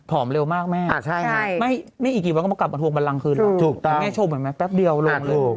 เร็วมากแม่ไม่อีกกี่วันก็มากลับมาทวงบันลังคืนหรอกแม่ชมเหมือนแม่แป๊บเดียวลงเลย